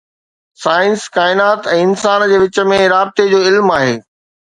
Science ڪائنات ۽ انسان جي وچ ۾ رابطي جو علم آهي.